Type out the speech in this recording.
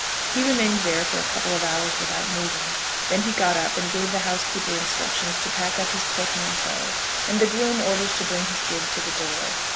He remained there for a couple of hours without moving. Then he got up and gave the housekeeper instructions to pack up his portmanteau, and the groom orders to bring his gig to the door.